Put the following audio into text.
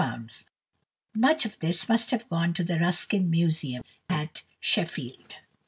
Much of this must have gone to the Ruskin Museum at Sheffield.